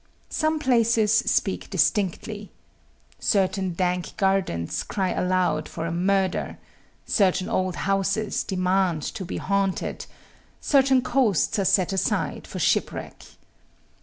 Some places speak distinctly. Certain dank gardens cry aloud for a murder; certain old houses demand to be haunted; certain coasts are set aside for shipwreck.